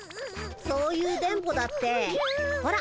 そういう電ボだってほら。